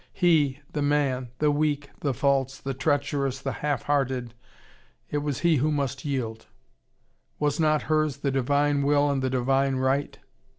He, the man, the weak, the false, the treacherous, the half hearted, it was he who must yield. Was not hers the divine will and the divine right?